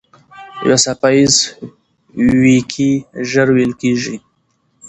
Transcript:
یو څپه ایز ويیکی ژر وېل کېږي.